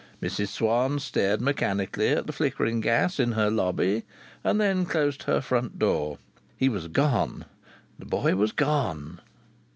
Mrs Swann stared mechanically at the flickering gas in her lobby, and then closed her front door. He was gone! The boy was gone!